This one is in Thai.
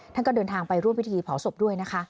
ท่านก็เดินทางไปร่วมพิธีเผาศพด้วยนะคะ